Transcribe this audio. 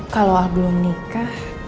kalau al belum nikah